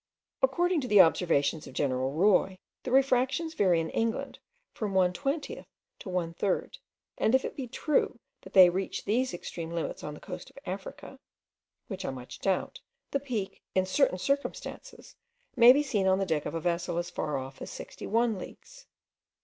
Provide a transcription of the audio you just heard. According to the observations of General Roy, the refractions vary in England from one twentieth to one third; and if it be true that they reach these extreme limits on the coast of Africa, (which I much doubt,) the peak, in certain circumstances, may be seen on the deck of a vessel as far off as 61 leagues.